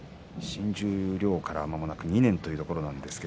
新十両からまもなく２年ということになります。